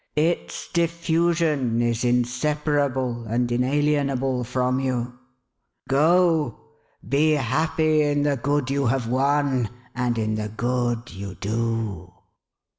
Its diffusion is inseparable and inalienable from you. Go ! Be happy in the good you have won, and in the good you do